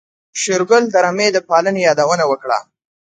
شېرګل د رمې د پالنې يادونه وکړه.